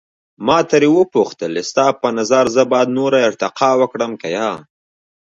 ما ترې وپوښتل، ستا په نظر زه باید نوره ارتقا وکړم که یا؟